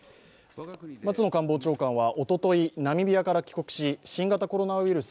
松野官房長官はおとといナミビアから帰国し新型コロナウイルス